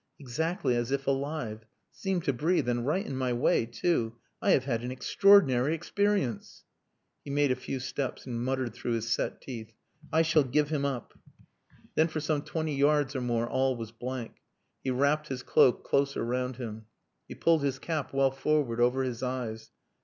"Exactly as if alive! Seemed to breathe! And right in my way too! I have had an extraordinary experience." He made a few steps and muttered through his set teeth "I shall give him up." Then for some twenty yards or more all was blank. He wrapped his cloak closer round him. He pulled his cap well forward over his eyes.